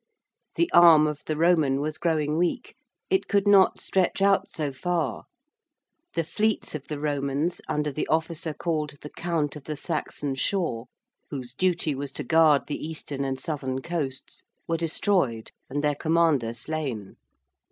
The arm of the Roman was growing weak, it could not stretch out so far: the fleets of the Romans, under the officer called the 'Count of the Saxon Shore' whose duty was to guard the eastern and southern coasts were destroyed and their commander slain.